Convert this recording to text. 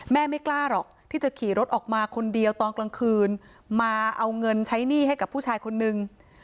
ไม่กล้าหรอกที่จะขี่รถออกมาคนเดียวตอนกลางคืนมาเอาเงินใช้หนี้ให้กับผู้ชายคนนึง